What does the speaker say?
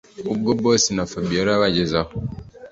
ubwo boss na fabiora bageze aho